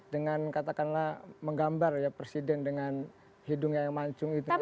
dengan katakanlah menggambar ya presiden dengan hidung yang mancung itu